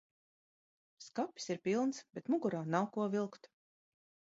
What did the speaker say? Skapis ir pilns, bet mugurā nav, ko vilkt.